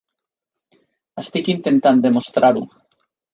Estic intentant demostrar-ho.